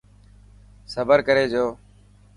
صبر ڪري جو.